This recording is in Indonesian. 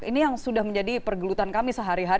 ini yang sudah menjadi pergelutan kami sehari hari di dalam kota